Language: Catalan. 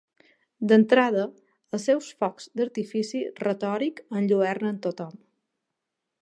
D'entrada, els seus focs d'artifici retòric enlluernen tothom.